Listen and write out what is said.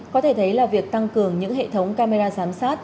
có thể thấy là việc tăng cường những hệ thống camera giám sát